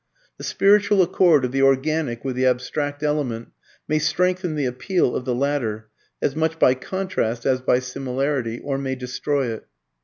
The spiritual accord of the organic with the abstract element may strengthen the appeal of the latter (as much by contrast as by similarity) or may destroy it.